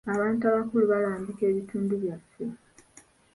Abantu abakulu balambika ebitundu byaffe.